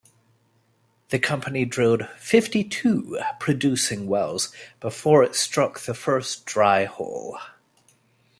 The company drilled fifty-two producing wells before it struck the first dry hole.